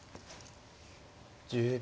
１０秒。